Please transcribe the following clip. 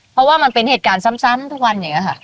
เพราะว่ามันเป็นเหตุการณ์ซ้ำทุกวันอย่างนี้ค่ะ